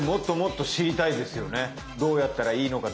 どうやったらいいのか。